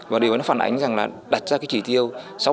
và điều đó phản ánh là đặt ra trí tiêu sáu bảy